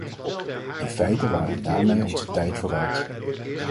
In feite waren we daarmee onze tijd vooruit.